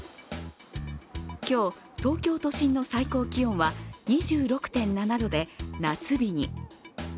今日、東京都心の最高気温は２６．７度で夏日に。